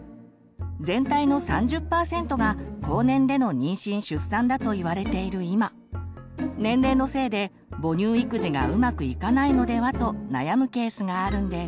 全体の３０％が高年での妊娠出産だといわれている今年齢のせいで母乳育児がうまくいかないのではと悩むケースがあるんです。